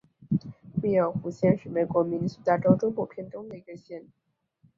密尔湖县是美国明尼苏达州中部偏东的一个县。